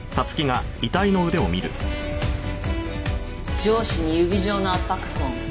上肢に指状の圧迫痕。